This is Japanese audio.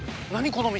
この道。